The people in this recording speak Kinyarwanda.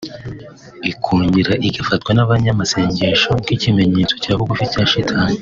ikongera igafatwa n’abanyamasengesho nk’ikimenyetso cya bugufi cya Shitani